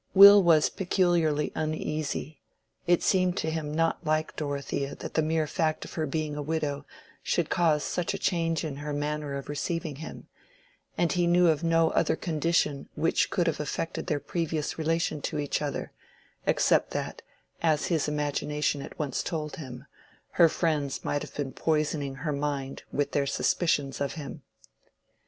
Will was peculiarly uneasy: it seemed to him not like Dorothea that the mere fact of her being a widow should cause such a change in her manner of receiving him; and he knew of no other condition which could have affected their previous relation to each other—except that, as his imagination at once told him, her friends might have been poisoning her mind with their suspicions of him.